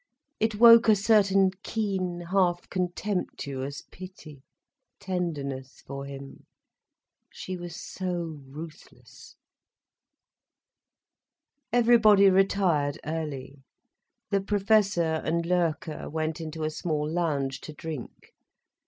It woke a certain keen, half contemptuous pity, tenderness for him: she was so ruthless. Everybody retired early. The Professor and Loerke went into a small lounge to drink.